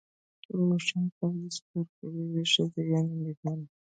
او اوښانو باندي سپور کړی وې، ښځي يعني ميرمنې